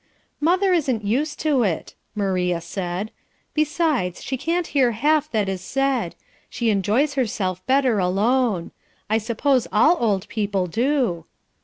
"Mother isn't used to it," Maria said; "besides, she can't hear half that is said. She enjoys herself better alone; I suppose all old people do."